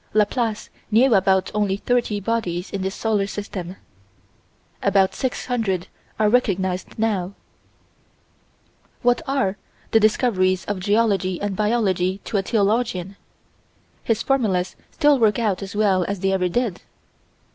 Laplace knew of about only thirty bodies in this solar system: about six hundred are recognized now What are the discoveries of geology and biology to a theologian? His formulas still work out as well as they ever did.